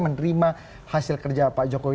menerima hasil kerja pak jokowi